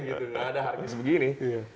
gak ada hardcase begini